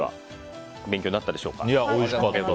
勉強になったでしょうか。